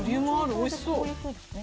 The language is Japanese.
おいしそう！